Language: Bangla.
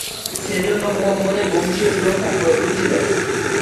সেজন্যে মুহাম্মাদের বংশীয় সুরক্ষার প্রয়োজন ছিলো।